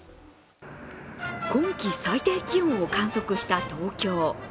今季最低気温を観測した東京。